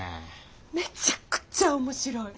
めちゃくちゃ面白い。